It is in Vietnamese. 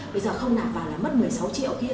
bây giờ không nạp vào là mất một mươi sáu triệu kia